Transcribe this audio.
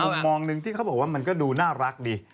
มุมมองหนึ่งที่เขาบอกว่ามันก็ดูน่ารักดี